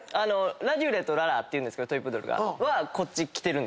ラデュレとララっていうんですけどトイプードルが。はこっち来てる。